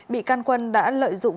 bị can quân đã lợi dụng